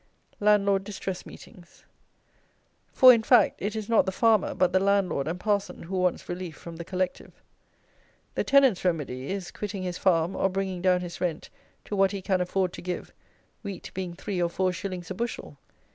LANDLORD DISTRESS MEETINGS. For, in fact, it is not the farmer, but the Landlord and Parson, who wants relief from the "Collective." The tenant's remedy is, quitting his farm or bringing down his rent to what he can afford to give, wheat being 3 or 4 shillings a bushel.